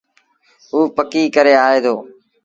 اُ پڪيٚ ڪري آئي دو۔